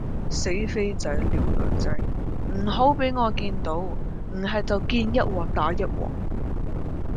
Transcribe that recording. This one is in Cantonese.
死飛仔撩女仔唔好畀我見到唔喺就見一鑊打一鑊